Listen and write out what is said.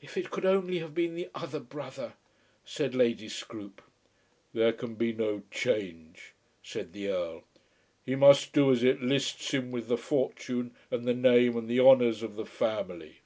"If it could only have been the other brother," said Lady Scroope. "There can be no change," said the Earl. "He must do as it lists him with the fortune and the name and the honours of the family."